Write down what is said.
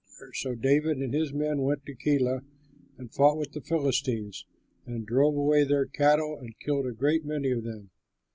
So David and his men went to Keilah and fought with the Philistines and drove away their cattle and killed a great many of them.